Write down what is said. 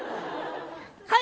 はい！